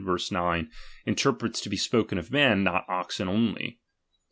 9) interprets to be spoken of men, not oxen only.